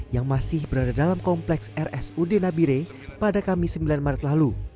yang masih berada dalam kompleks rsud nabire pada kamis sembilan maret lalu